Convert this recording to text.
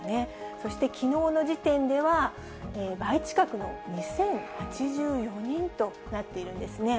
そしてきのうの時点では、倍近くの２０８４人となっているんですね。